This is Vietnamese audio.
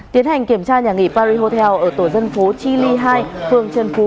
tiến hành kiểm tra nhà nghỉ paris hotel ở tổ dân phố chili hai phường trân phú